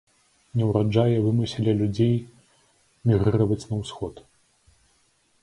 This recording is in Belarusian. Неўраджаі вымусілі людзей мігрыраваць на ўсход.